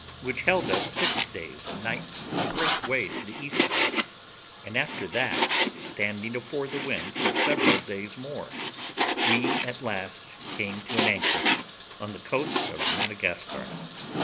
which held us six days and nights a great way to the eastward, and after that, standing afore the wind for several days more, we at last came to an anchor on the coast of Madagascar.